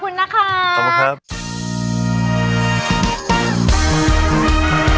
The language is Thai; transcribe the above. โปรดติดตามตอนต่อไป